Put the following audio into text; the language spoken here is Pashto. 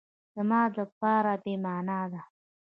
زما دپاره بی معنا ده